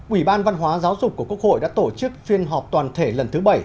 ủy ban văn hóa giáo dục của quốc hội đã tổ chức phiên họp toàn thể lần thứ bảy